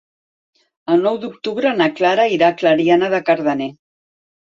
El nou d'octubre na Clara irà a Clariana de Cardener.